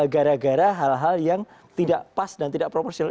gara gara hal hal yang tidak pas dan tidak proporsional